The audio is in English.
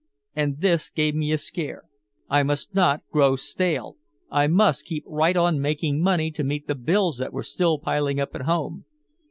And this gave me a scare. I must not grow stale, I must keep right on making money to meet the bills that were still piling up at home.